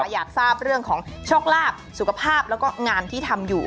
อยากทราบเรื่องของโชคลาภสุขภาพแล้วก็งานที่ทำอยู่